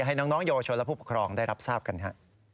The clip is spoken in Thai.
ให้น้องเยาวชนและผู้ปกครองได้รับทราบกันฮะ